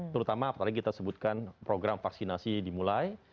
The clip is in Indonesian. terutama apalagi kita sebutkan program vaksinasi dimulai